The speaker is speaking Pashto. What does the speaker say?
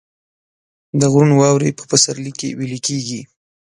د غرونو واورې په پسرلي کې ویلې کیږي